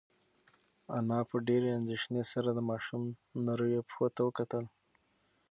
انا په ډېرې اندېښنې سره د ماشوم نریو پښو ته وکتل.